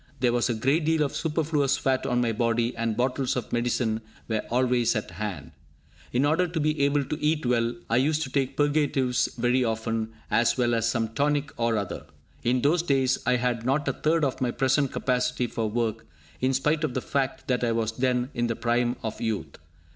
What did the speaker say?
There was a great deal of superfluous fat on my body, and bottles of medicine were always at hand. In order to be able to eat well, I used to take purgatives very often, as well as some tonic or other. In those days, I had not a third of my present capacity for work, in spite of the fact that I was then in the prime of youth.